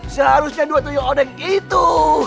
seharusnya dua tuyuh odeng itu